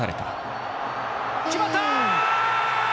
決まった！